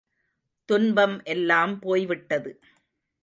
துன்பம் எல்லாம் போய் விட்டது.